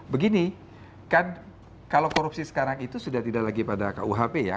begini kan kalau korupsi sekarang itu sudah tidak lagi pada kuhp ya